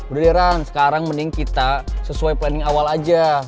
udah deh run sekarang mending kita sesuai planning awal aja